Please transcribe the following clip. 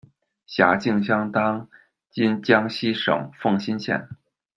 辖境相当今江西省奉新县。